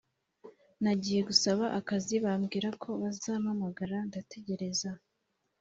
Nagiye gusaba akazi bambwirako bazampamagara ndategereza